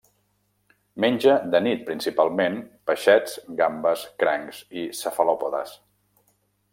Menja de nit principalment peixets, gambes, crancs i cefalòpodes.